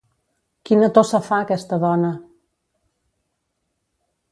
Quina tossa fa aquesta dona!